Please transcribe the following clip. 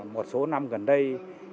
một số năm gần đây